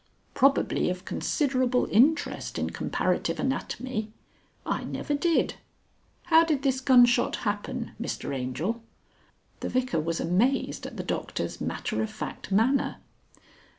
Probably of considerable interest in comparative anatomy. I never did! How did this gunshot happen, Mr Angel?" The Vicar was amazed at the Doctor's matter of fact manner.